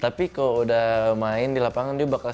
tapi kalo udah main di lapangan dia bercanda mulu